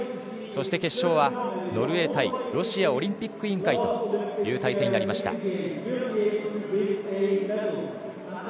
そして決勝はノルウェー対ロシアオリンピック委員会という対戦になりました。